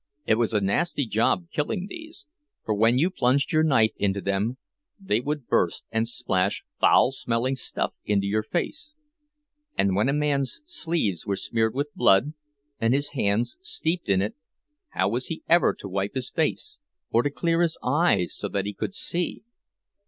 It was a nasty job killing these, for when you plunged your knife into them they would burst and splash foul smelling stuff into your face; and when a man's sleeves were smeared with blood, and his hands steeped in it, how was he ever to wipe his face, or to clear his eyes so that he could see?